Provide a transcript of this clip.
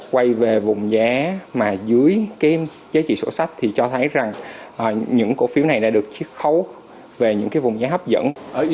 quay về vùng giá mà dưới cái giá trị sổ sách thì cho thấy rằng những cổ phiếu này đã được chiếc khấu về những cái vùng giá hấp dẫn